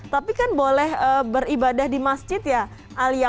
tapi kan boleh beribadah di masjid ya alia